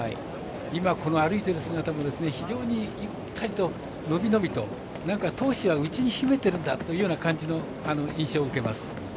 今、この歩いている姿も非常にゆったりと伸び伸びと闘志を内に秘めてるんだという印象を受けます。